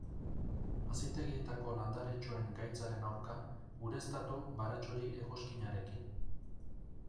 Hazitegietako landaretxoen gaitzaren aurka, ureztatu baratxuri-egoskinarekin.